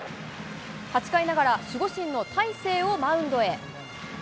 ８回ながら、守護神の大勢をマウンドへ。